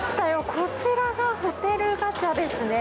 こちらがホテルガチャですね。